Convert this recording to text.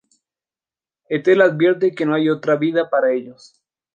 Ethel advierte que no hay otra vida para ellos.